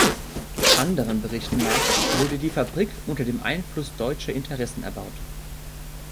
Anderen Berichten nach wurde die Fabrik unter dem Einfluss deutscher Interessen erbaut.